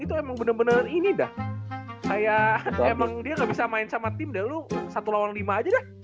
itu emang bener bener ini dah saya emang dia nggak bisa main sama tim dahulu satu lawan lima aja